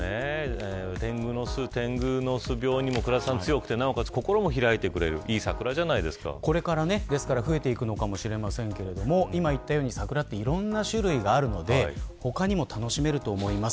てんぐ巣病にも強くてなおかつ、心も開いてくれるこれから増えていくのかもしれませんが今言ったように桜はいろんな種類があるので他にも楽しめると思います。